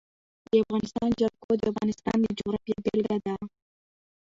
د افغانستان جلکو د افغانستان د جغرافیې بېلګه ده.